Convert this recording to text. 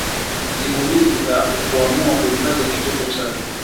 Msimulizi kuamua kuhifadhi kitoto chake